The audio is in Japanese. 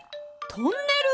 トンネル！